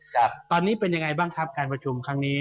ครับตอนนี้เป็นยังไงบ้างครับการประชุมครั้งนี้